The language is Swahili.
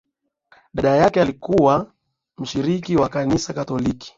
dada yake alikuwa mshiriki wa kanisa katoliki